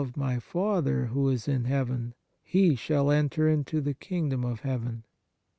97 g On Piety of My Father who is in heaven, he shall enter into the kingdom of heaven.